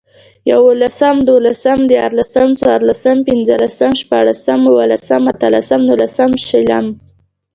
ېولسم، دولسم، ديارلسم، څوارلسم، پنځلسم، شپاړسم، اوولسم، اتلسم، نولسم، شلم